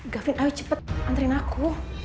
gavin ayo cepet antarin aku